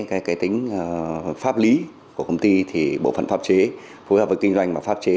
cái tính pháp lý của công ty thì bộ phận pháp chế phối hợp với kinh doanh và pháp chế